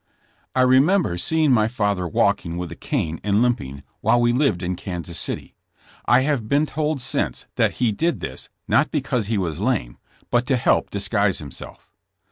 I remember seeing my father walking with a cane and limping, while we lived in Kansas City. I have been told since, that he did this, not because he was lame, but to help disguise himself.